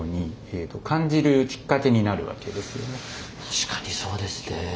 確かにそうですね。